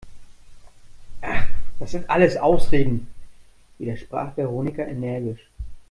Ach, das sind alles Ausreden!, widersprach Veronika energisch.